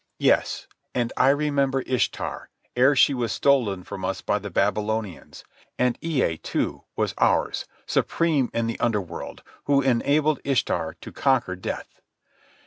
Yes, and I remember Ishtar ere she was stolen from us by the Babylonians, and Ea, too, was ours, supreme in the Under World, who enabled Ishtar to conquer death.